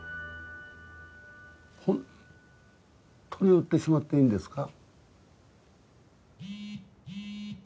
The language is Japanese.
ホントに売ってしまっていいんですか？